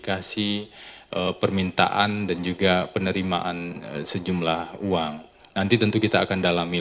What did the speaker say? kenapa sih mn dulu atau yang lain